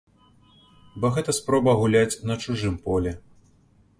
Бо гэта спроба гуляць на чужым полі.